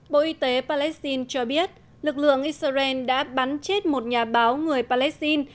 bộ y tế palestine cho biết lực lượng israel đã bắn chết một nhà báo người palestine